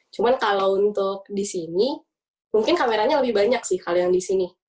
cuma kalau untuk di sini mungkin kameranya lebih banyak sih kalau yang di sini